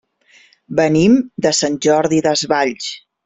Venim de Sant Jordi Desvalls.